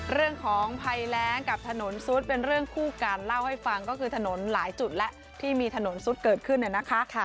เรื่องของภัยแรงกับถนนซุดเป็นเรื่องคู่กันเล่าให้ฟังก็คือถนนหลายจุดแล้วที่มีถนนซุดเกิดขึ้นเนี่ยนะคะ